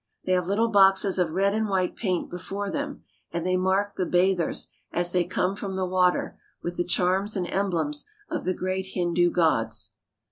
They have little boxes of red and white paint before them, and they mark the bathers, as they come from the water, with the charms and emblems of the great Hindu gods.